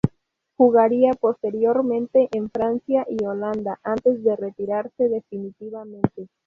Jugaría posteriormente en Francia y Holanda antes de retirarse definitivamente.